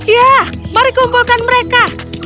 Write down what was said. ya mari kumpulkan mereka